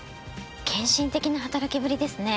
献身的な働きぶりですね。